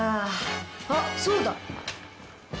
あっそうだ。